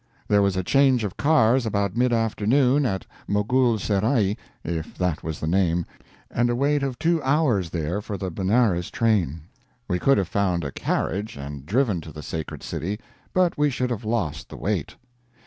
There was a change of cars about mid afternoon at Moghul serai if that was the name and a wait of two hours there for the Benares train. We could have found a carriage and driven to the sacred city, but we should have lost the wait.